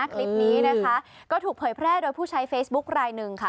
คลิปนี้นะคะก็ถูกเผยแพร่โดยผู้ใช้เฟซบุ๊คลายหนึ่งค่ะ